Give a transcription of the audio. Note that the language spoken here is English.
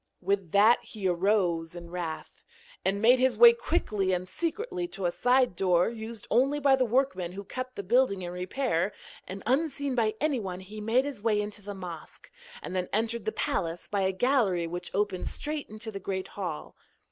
With that he arose in wrath, and made his way quickly and secretly to a side door, used only by the workmen who kept the building in repair, and, unseen by anyone, he made his way into the mosque, and then entered the palace by a gallery which opened straight into the great hall.